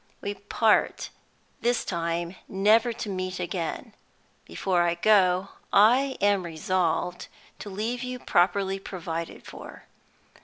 We part, this time, never to meet again. Before I go I am resolved to leave you properly provided for.